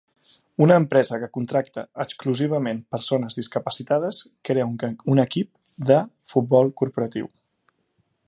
Una empresa que contracta exclusivament persones discapacitades crea un equip de futbol corporatiu.